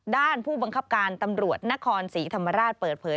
ผู้บังคับการตำรวจนครศรีธรรมราชเปิดเผย